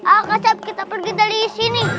ayo kak sepp kita pergi dari sini